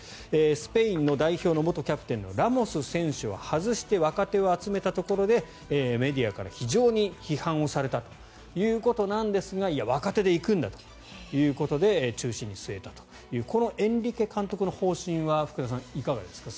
スペインの代表の元キャプテンのラモス選手を外して若手を集めたところでメディアから非常に批判をされたということですがいや若手で行くんだということで中心に据えたというこのエンリケ監督の方針は福田さんいかがですか？